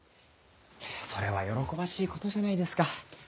それは喜ばしいことじゃないですか。